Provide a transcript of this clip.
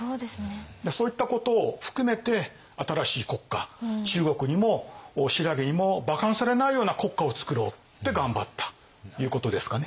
そういったことを含めて新しい国家中国にも新羅にもばかにされないような国家をつくろうって頑張ったということですかね。